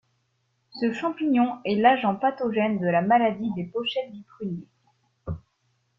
Ce champignon est l'agent pathogène de la maladies des pochettes du prunier.